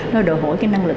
nó đòi hỏi cái năng lực